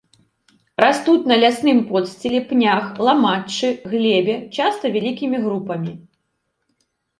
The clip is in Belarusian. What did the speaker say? Растуць на лясным подсціле, пнях, ламаччы, глебе, часта вялікім групамі.